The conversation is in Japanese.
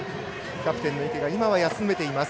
キャプテンの池が今は休めています。